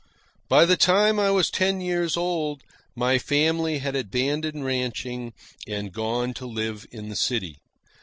By the time I was ten years old, my family had abandoned ranching and gone to live in the city.